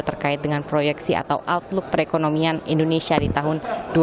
terkait dengan proyeksi atau outlook perekonomian indonesia di tahun dua ribu dua puluh